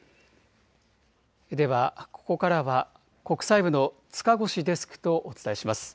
ではここからは国際部の塚越デスクとお伝えします。